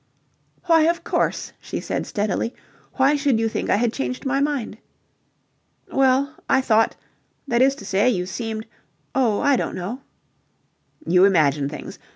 "Why, of course," she said, steadily. "Why should you think I had changed my mind?" "Well, I thought... that is to say, you seemed... oh, I don't know." "You imagine things.